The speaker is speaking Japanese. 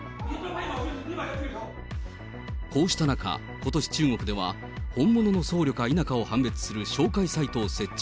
こうした中、ことし、中国では本物の僧侶か否かを判別する照会サイトを設置。